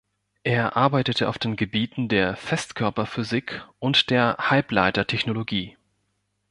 Er arbeitete auf den Gebieten der Festkörperphysik und der Halbleitertechnologie.